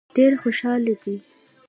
ډېر خوشاله دي.